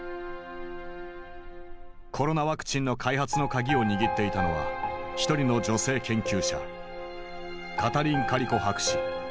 コロナワクチンの開発の鍵を握っていたのは一人の女性研究者カタリン・カリコ博士。